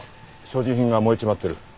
所持品が燃えちまってる。